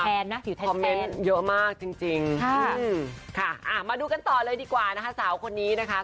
ผิวแทนนะผิวแทนคอมเมนต์เยอะมากจริงค่ะอ่ามาดูกันต่อเลยดีกว่านะคะสาวคนนี้นะคะ